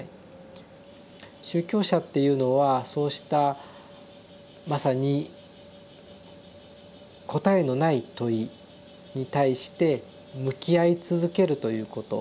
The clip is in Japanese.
宗教者っていうのはそうしたまさに答えのない問いに対して向き合い続けるということ。